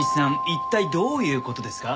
一体どういう事ですか？